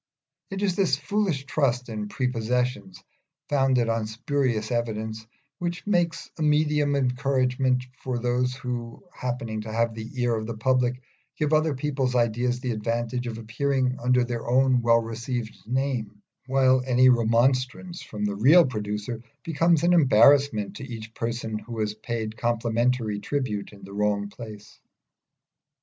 It is this foolish trust in prepossessions, founded on spurious evidence, which makes a medium of encouragement for those who, happening to have the ear of the public, give other people's ideas the advantage of appearing under their own well received name, while any remonstrance from the real producer becomes an unwelcome disturbance of complacency with each person who has paid complimentary tributes in the wrong place.